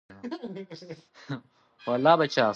ازادي راډیو د اقتصاد په اړه د ټولنې د ځواب ارزونه کړې.